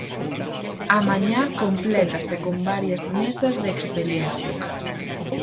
A mañá complétase con varias mesas de experiencia.